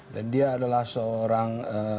dan dia adalah seorang